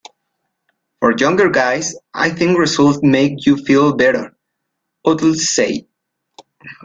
"For younger guys, I think results make you feel better," Utley said.